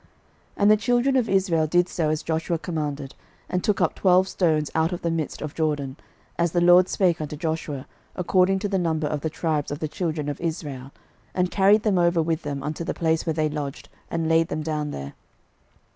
06:004:008 And the children of Israel did so as Joshua commanded, and took up twelve stones out of the midst of Jordan, as the LORD spake unto Joshua, according to the number of the tribes of the children of Israel, and carried them over with them unto the place where they lodged, and laid them down there.